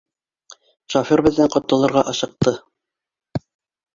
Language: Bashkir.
— Шофер беҙҙән ҡотолорға ашыҡты.